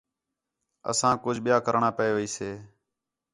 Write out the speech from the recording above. اسانک کُج ٻِیا کرݨاں پئے ویسے